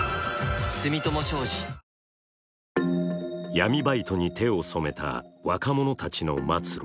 闇バイトに手を染めた若者たちの末路。